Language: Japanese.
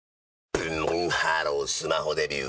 ブンブンハロースマホデビュー！